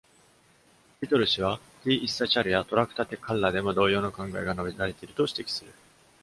Kittle 氏は、T.Issachar や Tractate Kalla でも同様の考えが述べられていると指摘する。